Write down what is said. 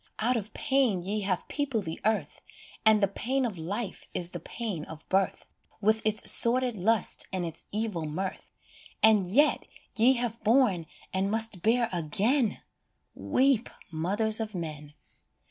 s Out of pain ye have peopled the earth, And the pain of life is the pain of birth, With its sordid lust and its evil mirth, And yet ye have borne and must bear again Weep, mothers of men